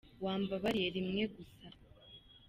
Wambabariye rimwe gusa.